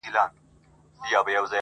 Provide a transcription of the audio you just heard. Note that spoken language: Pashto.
خو پر زړه مي سپين دسمال د چا د ياد~